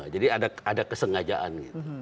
jadi ada kesengajaan